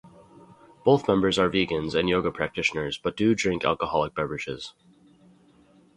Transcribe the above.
Both members are vegans and yoga practitioners, but do drink alcoholic beverages.